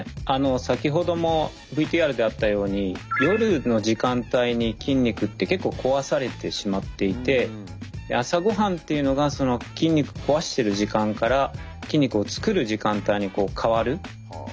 先ほどもＶＴＲであったように夜の時間帯に筋肉って結構壊されてしまっていて朝ごはんっていうのが筋肉壊してる時間から筋肉を作る時間帯に変わる大事なごはんなんですね。